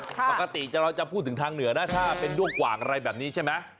ปกติเราจะพูดถึงทางเหนือนะถ้าเป็นด้วงกว่างอะไรแบบนี้ใช่ไหม